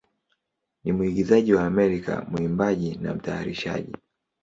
ni mwigizaji wa Amerika, mwimbaji, na mtayarishaji.